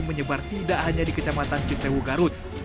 menyebar tidak hanya di kecamatan cisewu garut